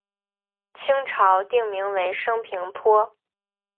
清朝定名为升平坡。